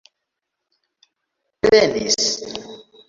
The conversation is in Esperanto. prenis